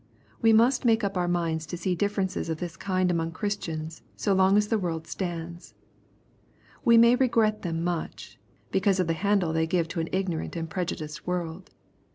We must make up our minds to see differences of this kind among Christians so long as the world stands. We may regret them much, because of the handle they give to an igni^rant and prejudiced world.